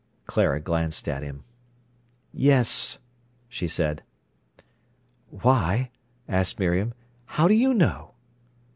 Clara glanced at him. "Yes," she said. "Why," asked Miriam, "how do you know?"